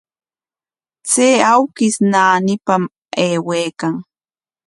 Chay awkish naanipam aywaykan.